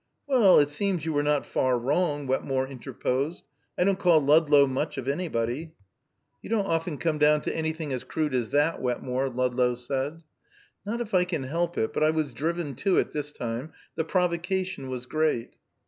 "Well, it seems you were not far wrong," Wetmore interposed. "I don't call Ludlow much of anybody." "You don't often come down to anything as crude as that, Wetmore," Ludlow said. "Not if I can help it. But I was driven to it, this time; the provocation was great."